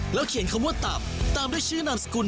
เขียนคำว่าตับตามด้วยชื่อนามสกุล